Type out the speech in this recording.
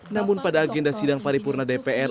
namun pada agenda sidang paripurna dpr